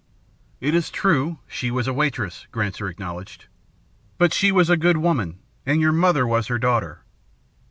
"It is true, she was a waitress," Granser acknowledged. "But she was a good woman, and your mother was her daughter.